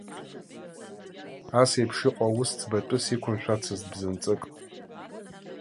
Ас еиԥш иҟоу аус ӡбатәыс иқәымшәацызт бзанҵык.